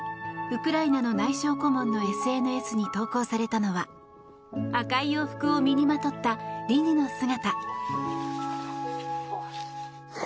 ウクライナの内相顧問のＳＮＳに投稿されたのは、赤い洋服を身にまとったリニの姿。